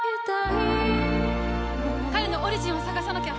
彼のオリジンを探さなきゃ。